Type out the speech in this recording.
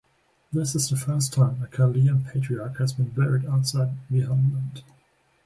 This is the first time a Chaldean patriarch has been buried outside the homeland.